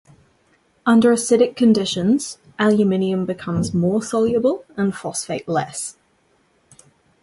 Under acidic conditions, aluminium becomes more soluble and phosphate less.